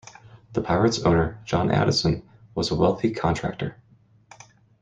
The Pirate's owner, John Addison, was a wealthy contractor.